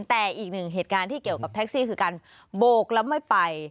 แต่อีกหนึ่งเหตุการณ์ที่เกี่ยวกับแท็กซี่คือการโบกแล้วไม่ไป